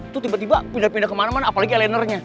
tuh tiba tiba pindah pindah kemana mana apalagi eleanernya